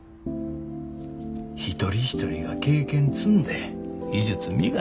一人一人が経験積んで技術磨いて。